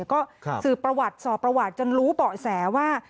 ก็สืบประวัติสอบประวัติจนรู้เบาะแสว่า